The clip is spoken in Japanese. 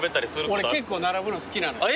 俺結構並ぶの好きなの。